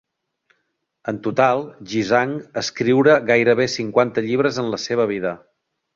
En total, Jizang escriure gairebé cinquanta llibres en la seva vida.